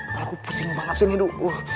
kalo aku pusing banget sih nih duk